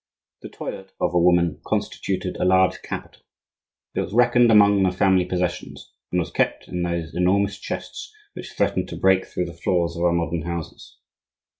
The toilet of a woman constituted a large capital; it was reckoned among the family possessions, and was kept in those enormous chests which threaten to break through the floors of our modern houses.